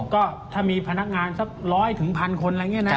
ก็ถ้ามีพนักงานสักร้อยถึงพันคน